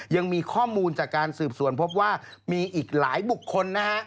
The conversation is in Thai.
ยังมีข้อมูลจากการสืบสวนพบว่ามีอีกหลายบุคคลนะฮะ